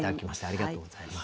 ありがとうございます。